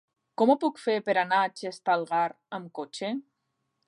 Com ho puc fer per anar a Xestalgar amb cotxe?